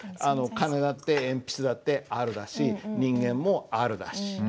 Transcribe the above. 鐘だって鉛筆だって「ある」だし人間も「ある」だし。